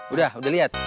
udah udah liat